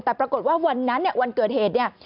แต่ปรากฏว่าวันนั้นวันเกิดเหตุ